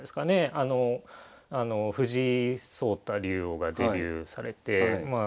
藤井聡太竜王がデビューされてまあ